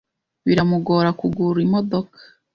Biramugora kugura imodoka.